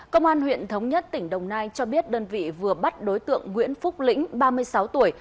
công an huyện thống nhất tỉnh đồng nai cho biết đơn vị vừa bắt đối tượng nguyễn phúc lĩnh ba mươi sáu tuổi